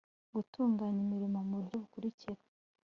gutunganya imirimo mu buryo bukurikira